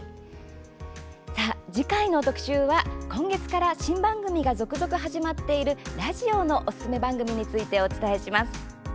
次回の特集は、今月から新番組が続々始まっているラジオのおすすめ番組についてお伝えします。